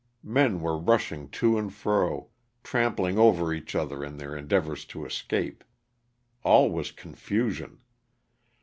Men were rushing to and fro, trampling over each other in their endeavors to escape. All was confusion.